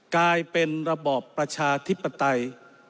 กลายเป็นระบอบประชาธิปไตย